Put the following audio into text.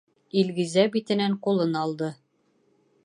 Илгизә битенән ҡулын алды.